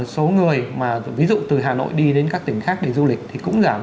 số người mà ví dụ từ hà nội đi đến các tỉnh khác để du lịch thì cũng giảm